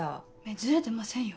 ズレてませんよ。